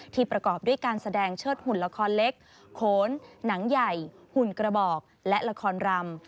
ประกอบด้วยการแสดงเชิดหุ่นละครเล็กโขนหนังใหญ่หุ่นกระบอกและละครรำ